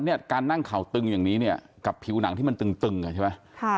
เนี่ยนั่งขาวตึงอย่างนี้กับผิวหนังที่มันตึงใช่ปะ